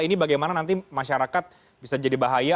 ini bagaimana nanti masyarakat bisa jadi bahaya